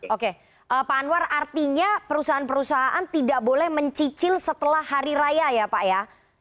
oke pak anwar artinya perusahaan perusahaan tidak boleh mencicil setelah hari raya ya pak ya